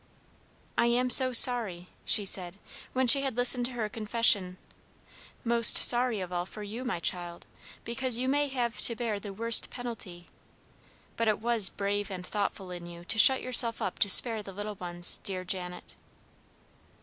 "I am so sorry," she said, when she had listened to her confession. "Most sorry of all for you, my child, because you may have to bear the worst penalty. But it was brave and thoughtful in you to shut yourself up to spare the little ones, dear Janet."